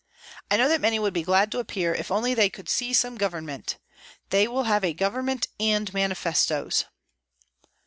I know that many would be glad to appear, if only they could see some government. They will have a government and manifestoes."